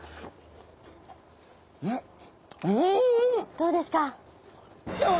どうですか？